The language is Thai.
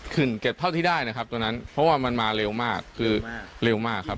เก็บเท่าที่ได้นะครับตอนนั้นเพราะว่ามันมาเร็วมากคือเร็วมากครับ